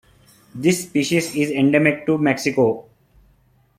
This species is endemic to Mexico.